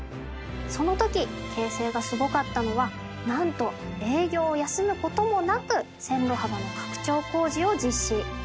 その時京成がすごかったのはなんと営業を休むこともなく線路幅の拡張工事を実施。